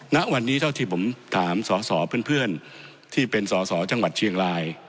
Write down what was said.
ณวันนี้เท่าที่ผมถามสอสอเพื่อนที่เป็นสอสอจังหวัดเชียงราย